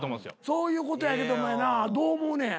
そういうことやけどもやなどう思うねん。